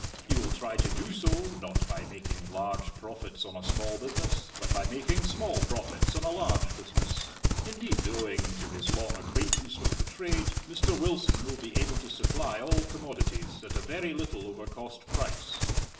He will try to do so, not by making large profits on a small business, but by making small profits on a large business. Indeed, owing to his long acquaintance with the trade, Mr. Wilson will be able to supply all commodities at a very little over cost price.